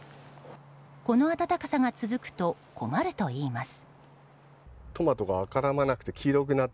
この暖かさが続くと困るといいます。